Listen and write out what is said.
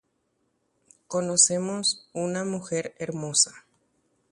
Jaikuaava kuña iporãitéva.